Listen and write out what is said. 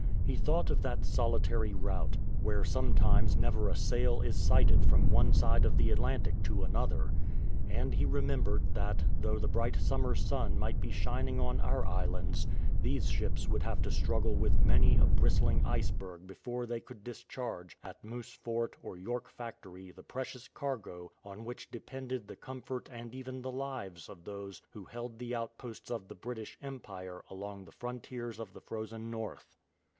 He thought of that solitary route, where sometimes never a sail is sighted from one side of the Atlantic to another. And he remembered that, though the bright summer sun might be shining on our islands, these ships would have to struggle with many, a bristling iceberg before they could discharge at INIoose Fort or York Factory the precious cargo on which depended the comfort and even the lives of those who held the outposts of the British Empire along the frontiers of the Frozen North.